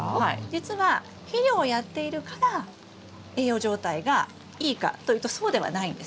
じつは肥料をやっているから栄養状態がいいかというとそうではないんです。